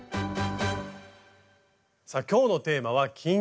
さあ今日のテーマは「金継ぎ」。